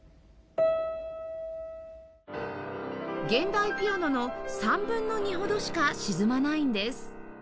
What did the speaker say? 現代ピアノの３分の２ほどしか沈まないんです